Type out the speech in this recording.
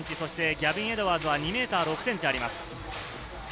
ギャビン・エドワーズは２ｍ６ｃｍあります。